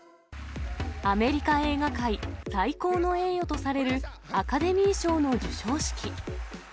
アメリカ映画界、最高の栄誉とされるアカデミー賞の授賞式。